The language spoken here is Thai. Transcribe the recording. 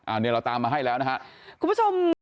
อันนี้เราตามมาให้แล้วนะครับ